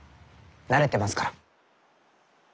慣れてますから。